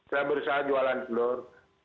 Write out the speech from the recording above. saya berusaha jualan telur